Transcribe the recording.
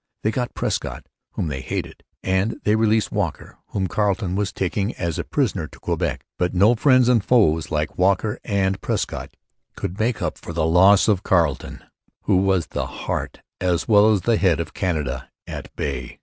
They got Prescott, whom they hated; and they released Walker, whom Carleton was taking as a prisoner to Quebec. But no friends and foes like Walker and Prescott could make up for the loss of Carleton, who was the heart as well as the head of Canada at bay.